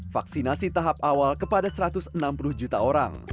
vaksinasi tahap awal kepada satu ratus enam puluh juta orang